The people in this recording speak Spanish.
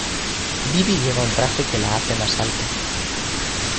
Bibi lleva un traje que la hace más alta.